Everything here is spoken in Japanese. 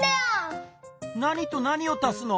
何と何を足すの？